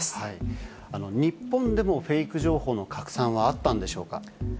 日本でもフェイク情報の拡散はあったんでしょうか。